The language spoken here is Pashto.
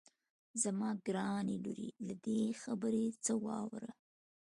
زما ګرانې لورې له دې خبرې څخه واوړه.